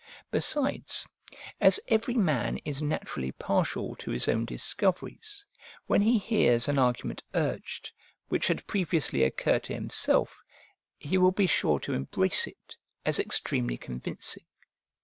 Besides, as every man is naturally partial to his own discoveries, when he hears an argument urged which had previously occurred to himself, he will be sure to embrace it as extremely convincing.